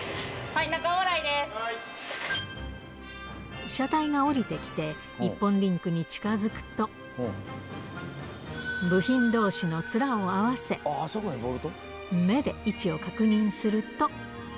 はい、車体が下りてきて、一本リンクに近づくと、部品どうしのツラを合わせ、目で位置を確認すると。